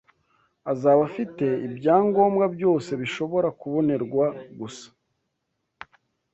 Azaba afite ibyangombwa byose bishobora kubonerwa gusa